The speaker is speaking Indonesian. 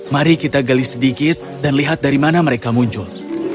mari kita gali sedikit dan lihat dari mana mereka muncul